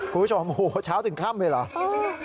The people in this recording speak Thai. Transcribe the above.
คุณผู้ชมโอ้โหเช้าถึงค่ำเลยเหรอ